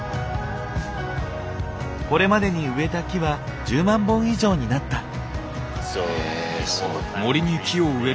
これまでに植えた木は１０万本以上になった。